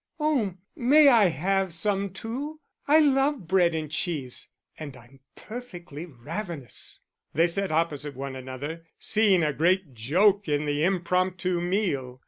"Oh, may I have some too? I love bread and cheese, and I'm perfectly ravenous." They sat opposite one another, seeing a great joke in the impromptu meal.